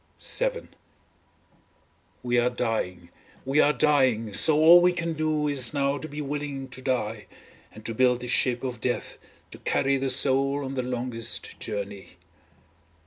VII We are dying, we are dying, so all we can do is now to be willing to die, and to build the ship of death to carry the soul on the longest journey.